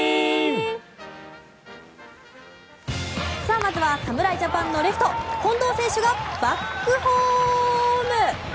まずは侍ジャパンのレフト近藤選手がバックホーム。